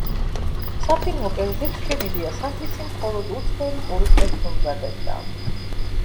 საფირმო კერძებს ჩვენი დიასახლისი მხოლოდ უცხოელ ტურისტებს უმზადებდა.